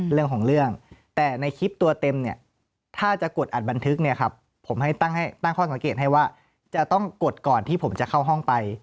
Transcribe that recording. เรื่องของเรื่องแต่ในคลิปตัวเต็มเนี่ยถ้าจะกดอัดบันทึกเนี่ยครับผมให้ตั้งข้อสังเกตให้ว่าจะต้องกดก่อนที่ผมจะเข้าห้องไป